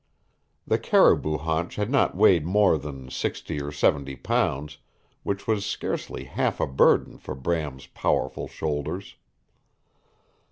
The caribou haunch had not weighed more than sixty or seventy pounds, which was scarcely half a burden for Bram's powerful shoulders.